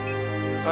はい！